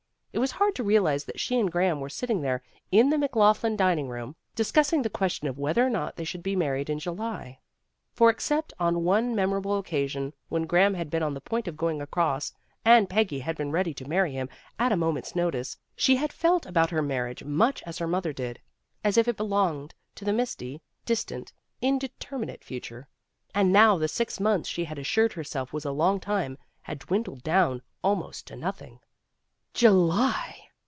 It was hard to realize that she and Graham were sitting there in the McLaughlin dining room, discussing the question of whether or not they should be married in July. For except on one memorable occasion, when Graham had been on the point of going across and Peggy had been ready to marry him at a moment's notice, she had felt about her marriage much as her mother did, as if it belonged to the misty, distant, indeterm inate future. And now the six months she had assured herself was a long time had dwindled down almost to nothing. July!